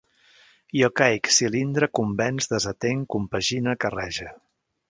Jo caic, cilindre, convenç, desatenc, compagine, carrege